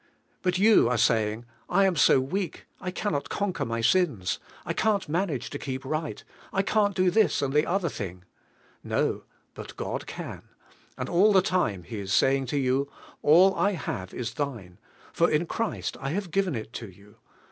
Mill you are saying. "] am so weak, I run not conquer my sins, t can'l manage h. keep right, f can't do this and 1 be other lliing." No, tint God can; and all the t ime He is saying to you : "All I have is thine; for in Christ I have given it to you.